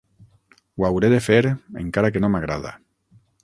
Ho hauré de fer, encara que no m'agrada!